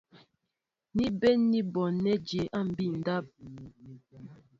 Ni bɛ̌n ní m̀bonɛ́ jə̌ á mbí' ndáp.